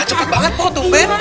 udah cepet banget pak dumbes